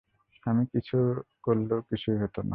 আমি কিছু করলেও কিছুই হতো না।